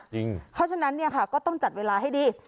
เพราะฉะนั้นเนี่ยค่ะก็ต้องจัดเวลาให้ดี